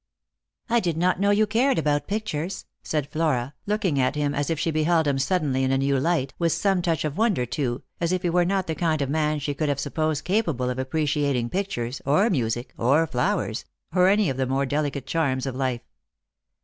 41 "I did not know you cared about pictures," said Flora, looking at him as if she beheld him suddenly in a new light, with some touch of wonder too, as if he were not the kind of man she could have supposed capable of appreciating pictures, or music, or flowers, or any of the more delicate charms of life.